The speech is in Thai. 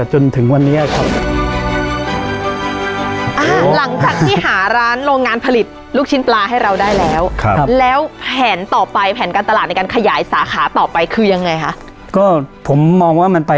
หนึ่งร้อยยี่สิบวันอย่างช้าครับนะฮะ